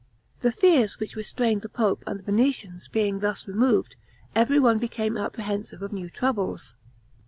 The fears which restrained the pope and the Venetians being thus removed, everyone became apprehensive of new troubles.